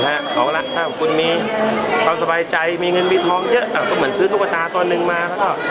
เอาละถ้าคุณมีความสบายใจมีเงินบินฮอมเยอะก็เหมือนซื้อลูกตาตัวนึงมา